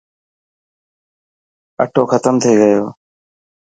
اثو ختم ٿي گيو.